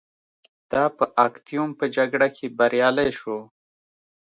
دا په اکتیوم په جګړه کې بریالی شو